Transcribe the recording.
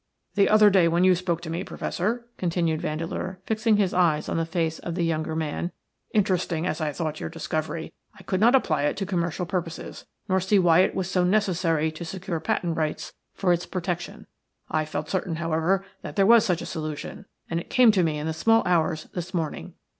"The other day when you spoke to me, Professor," continued Vandeleur, fixing his eyes on the face of the younger man, "interesting as I thought your discovery, I could not apply it to commercial purposes, nor see why it was so necessary to secure patent rights for its protection. I felt certain, however, that there was such a solution, and it came to me in the small hours this morning.